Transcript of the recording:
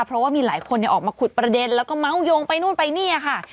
เพราะว่ามีหลายคนออกมาขุดประเด็นแล้วก็เมาส์โยงไปนู่นไปนี่ค่ะ